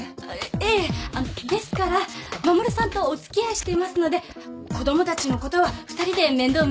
ええあのですから護さんとお付き合いしていますので子供たちのことは２人で面倒見ていきます。